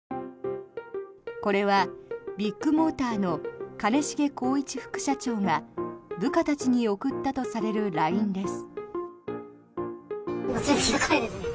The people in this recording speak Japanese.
これはビッグモーターの兼重宏一副社長が部下たちに送ったとされるＬＩＮＥです。